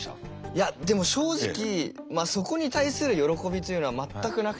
いやでも正直そこに対する喜びというのは全くなくて。